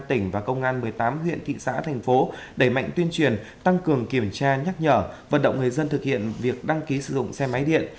tỉnh và công an một mươi tám huyện thị xã thành phố đẩy mạnh tuyên truyền tăng cường kiểm tra nhắc nhở vận động người dân thực hiện việc đăng ký sử dụng xe máy điện